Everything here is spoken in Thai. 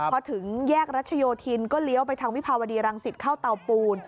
พอถึงแยกรัชโยธินก็เลี้ยวไปทางวิภาวดีรังสิตเข้าเตาปูน